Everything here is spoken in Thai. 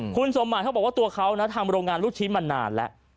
คุณสมหมายเขาบอกว่าตัวเขานะทำโรงงานลูกชิ้นมานานแล้ว